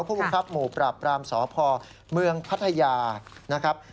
ผู้บังคับหมู่ปราบปรามสพเมืองพัทยานะครับ